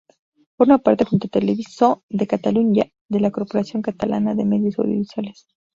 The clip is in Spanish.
Forma parte junto a Televisió de Catalunya, de la Corporación Catalana de Medios Audiovisuales.